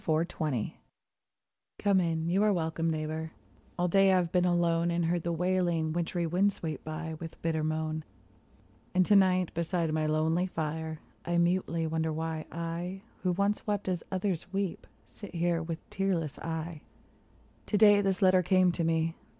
THE LAST OF SIX Come in ; you are welcome, neighbor ; all day I've been alone, And heard the wailing, wintry wind sweep by with bitter moan ; And to night beside my lonely fire, I mutely wonder why I, who once wept as others weep, sit here with tearless eye. To day this letter came to me.